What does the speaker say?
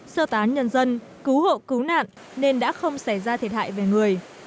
sơ tán nhân dân cứu hộ cứu nạn nên đã không xảy ra thiệt hại về người